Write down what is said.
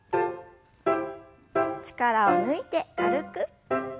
力を抜いて軽く。